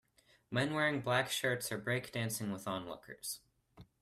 Men wearing black shirts are breakdancing with onlookers.